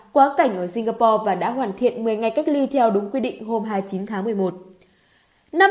quá cảnh ở singapore và đã hoàn thiện một mươi ngày cách ly theo đúng quy định hôm hai mươi chín tháng một mươi một